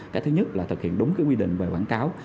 cái thứ nhất là thực hiện đúng cái quy định về quảng cáo